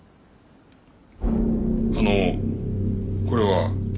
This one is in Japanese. あのこれは？